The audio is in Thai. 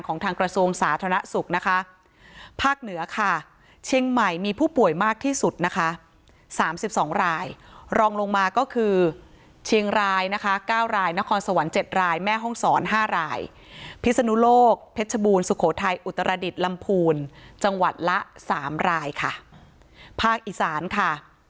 ทางกระทรวงสาธารณสุขนะคะภาคเหนือค่ะเชียงใหม่มีผู้ป่วยมากที่สุดนะคะสามสิบสองรายรองลงมาก็คือเชียงรายนะคะ๙รายนครสวรรค์๗รายแม่ห้องศร๕รายพิศนุโลกเพชรบูรณสุโขทัยอุตรดิษฐ์ลำพูนจังหวัดละสามรายค่ะภาคอีสานค่ะ